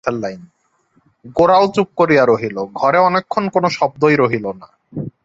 গোরাও চুপ করিয়া রহিল, ঘরে অনেকক্ষণ কোনো শব্দই রহিল না।